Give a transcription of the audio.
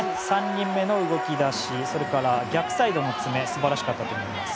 ３人目の動き出し逆サイドの詰め素晴らしかったと思います。